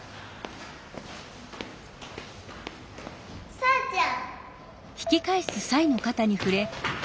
さーちゃん。